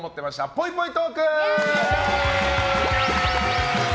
ぽいぽいトーク！